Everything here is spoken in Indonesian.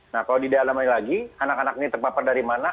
nah kalau didalami lagi anak anak ini terpapar dari mana